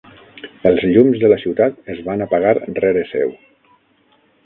Els llums de la ciutat es van apagar rere seu.